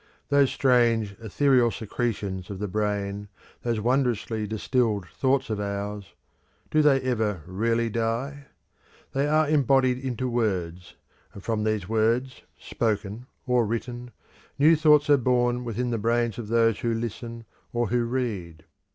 Those strange ethereal secretions of the brain, those wondrously distilled thoughts of ours do they ever really die? They are embodied into words; and from these words, spoken or written, new thoughts are born within the brains of those who listen or who read.